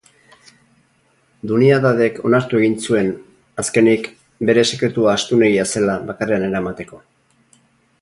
Dunyadadek onartu egin zuen, azkenik, bere sekretua astunegia zela bakarrean eramateko.